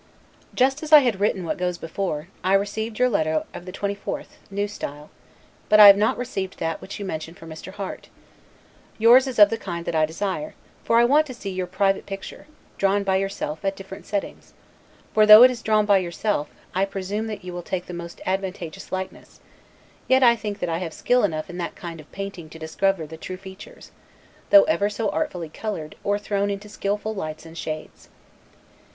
Just as I had written what goes before, I received your letter of the 24th, N. S., but I have not received that which you mention for Mr. Harte. Yours is of the kind that I desire; for I want to see your private picture, drawn by yourself, at different sittings; for though, as it is drawn by yourself, I presume you will take the most advantageous likeness, yet I think that I have skill enough in that kind of painting to discover the true features, though ever so artfully colored, or thrown into skillful lights and shades.